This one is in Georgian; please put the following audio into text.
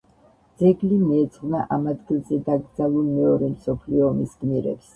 ძეგლი მიეძღვნა ამ ადგილზე დაკრძალულ მეორე მსოფლიო ომის გმირებს.